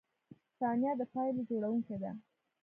• ثانیه د پایلو جوړونکی ده.